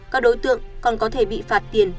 các đối tượng còn có thể bị phạt tiền